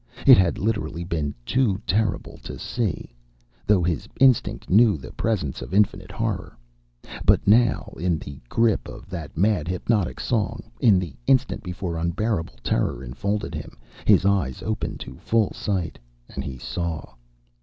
It had literally been too terrible to see, though his instinct knew the presence of infinite horror. But now, in the grip of that mad, hypnotic song, in the instant before unbearable terror enfolded him, his eyes opened to full sight, and he saw.